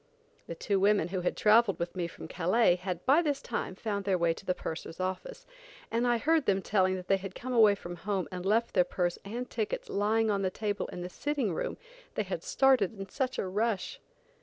The two women who had traveled with me from Calais, had by this time found their way to the purser's office, and I heard them telling that they had come away from home and left their purse and tickets lying on the table in the sitting room, they had started in such a rush!